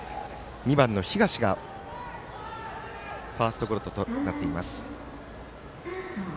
２番の東がファーストゴロとなっています。